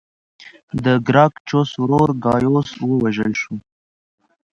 د ګراکچوس ورور ګایوس ووژل شو